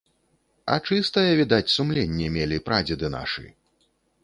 А чыстае, відаць, сумленне мелі прадзеды нашы.